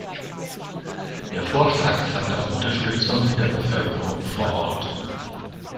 Der Vorschlag fand auch Unterstützung in der Bevölkerung vor Ort.